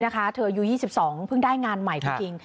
นะคะเธออยู่๒๒เพิ่งได้งานใหม่พอจริง